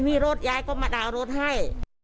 ไม่มีรถยายก็มาด่าวรถให้